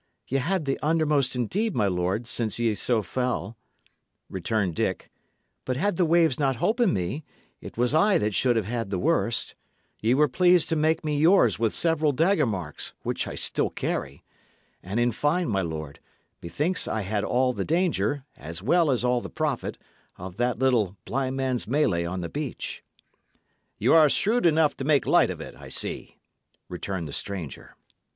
"Ye had the undermost indeed, my lord, since ye so fell," returned Dick; "but had the waves not holpen me, it was I that should have had the worst. Ye were pleased to make me yours with several dagger marks, which I still carry. And in fine, my lord, methinks I had all the danger, as well as all the profit, of that little blind man's mellay on the beach." "Y' are shrewd enough to make light of it, I see," returned the stranger.